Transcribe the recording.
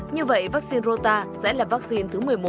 như vậy vaccine rota sẽ là vaccine thứ một mươi một